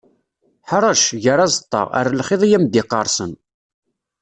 Ḥrec, ger aẓeṭṭa, err lxiḍ i am-d-iqqersen.